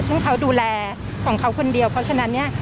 ซึ่งเขาดูแลของเขาคนเดียวเพราะฉะนั้นเนี่ย